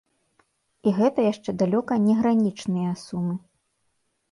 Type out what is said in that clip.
І гэта яшчэ далёка не гранічныя сумы.